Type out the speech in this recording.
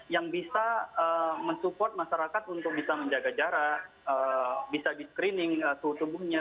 yang bisa mensupport masyarakat untuk bisa menjaga jarak bisa di screening suhu tubuhnya